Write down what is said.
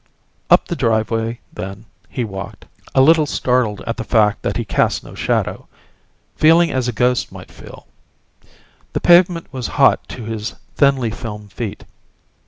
Up the driveway, then, he walked, a little startled at the fact that he cast no shadow feeling as a ghost might feel. The pavement was hot to his thinly filmed feet.